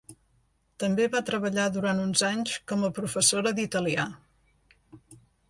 També va treballar durant uns anys com a professora d'italià.